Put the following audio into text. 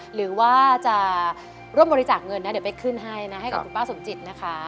หรือว่าจะร่วมบริจาคเงินนะเดี๋ยวไปขึ้นให้นะให้กับคุณป้าสมจิตนะคะ